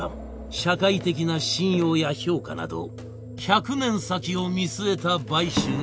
社会的な信用や評価など１００年先を見据えた買収